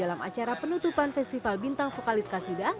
aparatur sipil negara